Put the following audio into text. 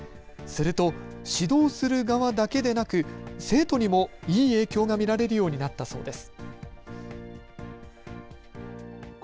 すると指導する側だけでなく生徒にもいい影響が見られるようになったそうです。